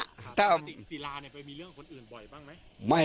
คาดติดตัวซีลาไปมีเรื่องกับคนอื่นบ่อยบ้างมั้ย